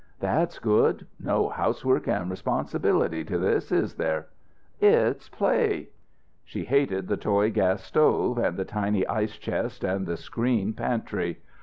"That's good. No housework and responsibility to this, is there?" "It's play." She hated the toy gas stove, and the tiny ice chest and the screen pantry.